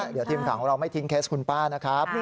เดี๋ยวทีมข่าวของเราไม่ทิ้งเคสคุณป้านะครับ